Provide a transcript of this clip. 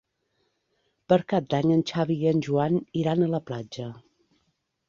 Per Cap d'Any en Xavi i en Joan iran a la platja.